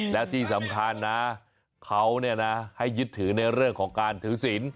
และที่สำคัญนะเขาให้ยึดถือในเรื่องของการถือศิลป